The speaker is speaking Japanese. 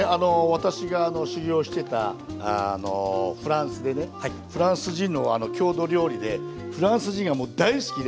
私が修業してたあのフランスでねフランス人の郷土料理でフランス人がもう大好きで。